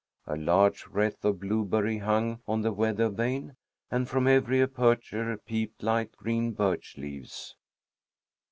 A large wreath of blueberry hung on the weather vane, and from every aperture peeped light green birch leaves.